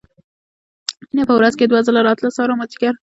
مينه په ورځ کښې دوه ځله راتله سهار او مازديګر.